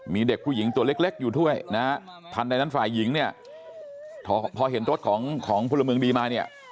มีเด็กผู้หญิงตัวเล็กอยู่ด้วยนะฮะทันใดนั้นฝ่ายหญิงเนี่ยพอเห็นรถของพลเมืองดีมาเนี่ย